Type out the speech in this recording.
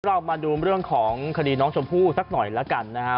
เรามาดูเรื่องของคดีน้องชมพู่สักหน่อยแล้วกันนะฮะ